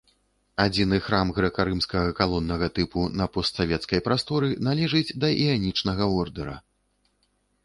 Адзіны храм грэка-рымскага калоннага тыпу на постсавецкай прасторы, належыць да іанічнага ордэра.